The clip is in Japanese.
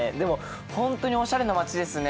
本当におしゃれな街ですね。